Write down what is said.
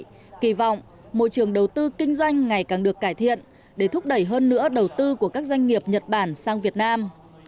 kỳ vọng môi trường đầu tư kinh doanh ngày càng được cải thiện để thúc đẩy hơn nữa đầu tư của các doanh nghiệp nhật bản sang việt nam